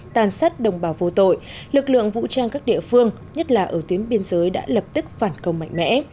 tàn sát đồng bào vô tội lực lượng vũ trang các địa phương nhất là ở tuyến biên giới đã lập tức phản công mạnh mẽ